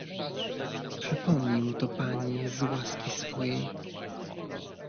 "Przypomnij mu to pani z łaski swojej."